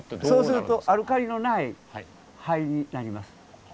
そうするとアルカリのない灰になります。